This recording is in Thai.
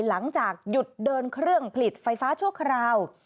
หลังจากหยุดเดินเครื่องผลิตไฟฟ้าชั่วคราว